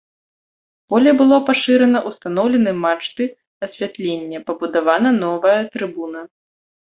Поле было пашырана, устаноўлены мачты асвятлення, пабудавана новая трыбуна.